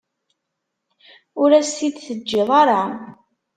Ur as-t-id-teǧǧiḍ ara.